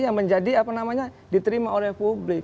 yang menjadi apa namanya diterima oleh publik